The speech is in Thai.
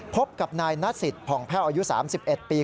พบกับนายนสิทธิ์ผ่องแพ่วอายุ๓๑ปี